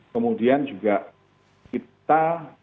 kemudian juga kita